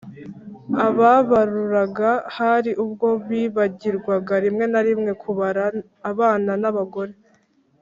Ababaruraga hari ubwo bibagirwaga rimwe na rimwe kubara abanan ‘abagore